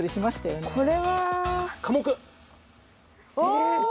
正解！